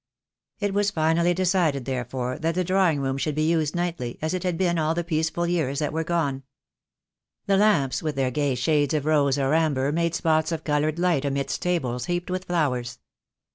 It was finally decided therefore that the drawing room should be used nightly, as it had been in all the peace ful years that were gone. The lamps with their gay shades of rose or amber made spots of coloured light amidst tables heaped with flowers.